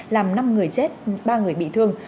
làm năm người chết ba người bị thương